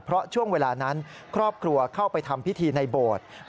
เพราะช่วงเวลานั้นครอบครัวเข้าไปทำพิธีในโบสถ์